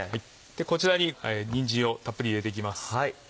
こちらににんじんをたっぷり入れていきます。